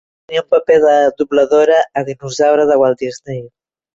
Tenia un paper de dobladora a "Dinosaure" de Walt Disney.